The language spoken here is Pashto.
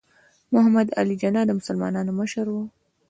محمد علي جناح د مسلمانانو مشر و.